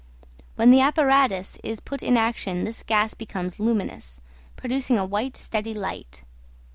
When the apparatus is put in action this gas becomes luminous, producing a white steady light.